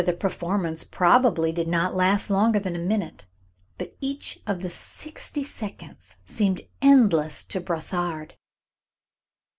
Altogether the performance probably did not last longer than a minute, but each of the sixty seconds seemed endless to Brossard.